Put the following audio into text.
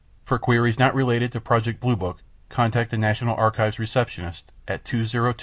For queries not related to Project Blue Book, contact the National Archives receptionist at (202) 501 5400.